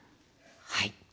はい。